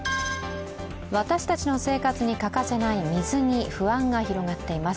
私たちの生活に欠かせない水に不安が広がっています。